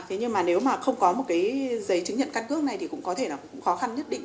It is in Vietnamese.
thế nhưng mà nếu mà không có một cái giấy chứng nhận căn cước này thì cũng có thể là cũng khó khăn nhất định